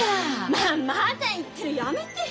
ままだ言ってるやめてよ！